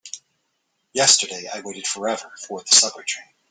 Yesterday I waited forever for the subway train.